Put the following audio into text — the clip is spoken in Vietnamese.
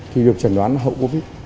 thì được trần đoán hậu covid